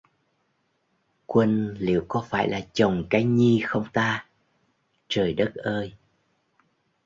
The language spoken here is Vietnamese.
Quân liệu có phải là chồng cái Nhi không ta trời đất ơi